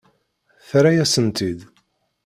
Terra-yasen-tt-id.